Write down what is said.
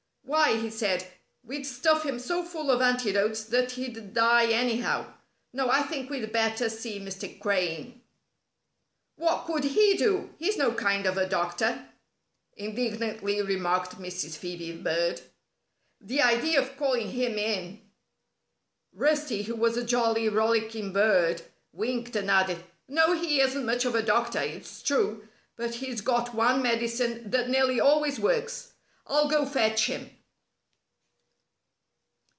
"Why," he said, "we'd stuff him so full of antidotes that he'd die anyhow. No, I think we'd better see Mr. Crane." "What could he do? He's no kind of a doctor," indignantly remarked Mrs. Phœbe Bird. "The idea of calling him in!" Rusty, who was a jolly, rollicking bird, winked, and added: "No, he isn't much of a doctor, it's true, but he's got one medicine that nearly always works. I'll go fetch him."